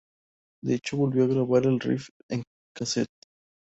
De hecho, volvió a grabar el riff en casete.